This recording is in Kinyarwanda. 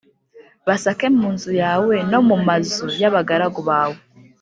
basake mu nzu yawe no mu mazu y’abagaragu bawe